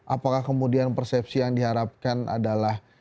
apakah kemudian persepsi yang diharapkan adalah